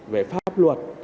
về pháp luật